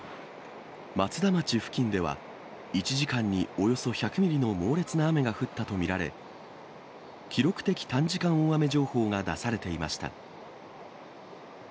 松田町付近では、１時間におよそ１００ミリの猛烈な雨が降ったと見られ、記録的短時間大雨情報が出されていました。